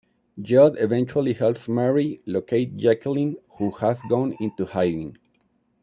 Judd eventually helps Mary locate Jacqueline, who has gone into hiding.